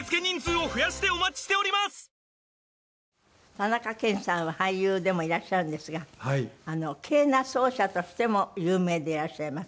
田中健さんは俳優でもいらっしゃるんですがケーナ奏者としても有名でいらっしゃいます。